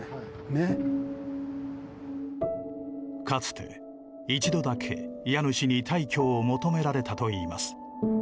かつて一度だけ、家主に退去を求められたといいます。